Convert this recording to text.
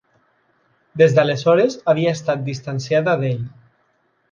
Des d'aleshores havia estat distanciada d'ell.